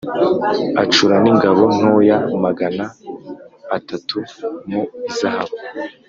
Acura n ingabo ntoya magana atatu mu izahabu